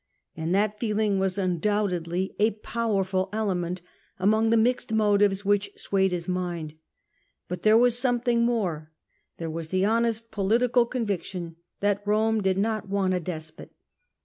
And that feeling was undoubtedly a powerful element among the mixed motives which swayed his mind; but there was something more : there was the honest political convic tion that Rome did not want a despot.